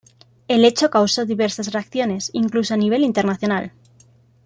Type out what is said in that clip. El hecho causó diversas reacciones, incluso a nivel internacional.